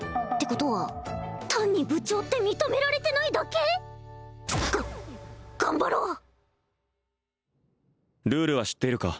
ことは単に部長って認められてないだけ？が頑張ろうルールは知っているか？